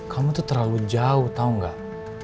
kamu tuh terlalu jauh tau gak